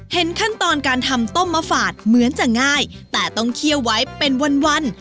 เห็นขั้นตอนการทำต้มมะฝาดเหมือนจะง่ายแต่ต้องเคี่ยวไว้เป็นวัน